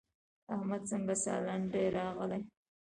احمده څنګه سالنډی راغلې؟!